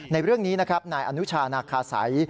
ในเรื่องนี้นะครับนายอนุชานาคาสัย